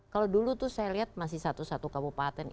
kalau dulu tuh saya lihat masih satu satu kabupaten